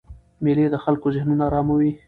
مېلې د خلکو ذهنونه آراموي.